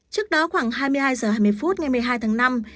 trước đó khoảng hai mươi hai h hai mươi phút ngày một mươi hai tháng năm